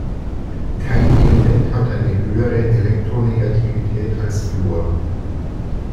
Kein Element hat eine höhere Elektronegativität als Fluor.